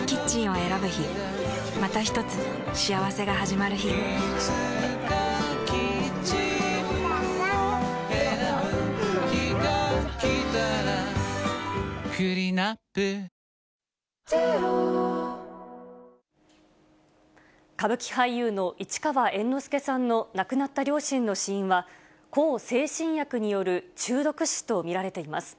選ぶ日がきたらクリナップ歌舞伎俳優の市川猿之助さんの亡くなった両親の死因は向精神薬による中毒死とみられています。